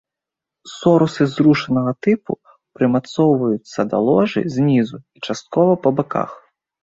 Сорусы зрушанага тыпу, прымацоўваюцца да ложу знізу і часткова па баках.